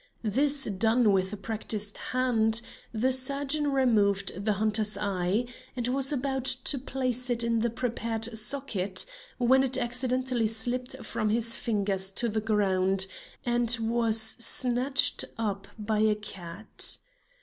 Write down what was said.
This done with a practised hand, the surgeon removed the hunter's eye and was about to place it in the prepared socket, when it accidentally slipped from his fingers to the ground, and was snatched up by a cat.